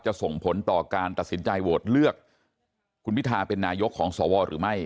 ส่งผลต่อการตัดสินใจโหวตเลือกคุณพิทาเป็นนายกของสวหรือไม่